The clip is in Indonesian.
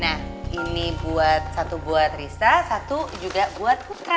nah ini satu buat risa satu juga buat putra